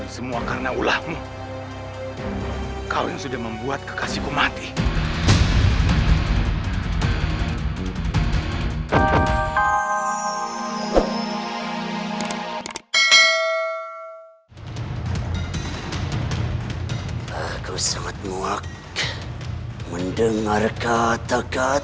sampai jumpa di video selanjutnya